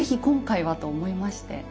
今回はと思いまして。